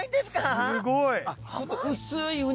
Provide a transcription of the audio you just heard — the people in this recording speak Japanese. すごい！